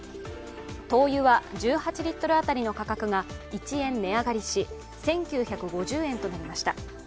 灯油は１８リットル当たりの価格が１円値上がりし１９５０円となりました。